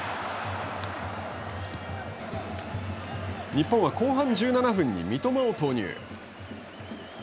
日本は後半１７分に三笘を投入。